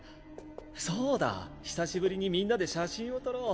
そうだ久しぶりにみんなで写真を撮ろう。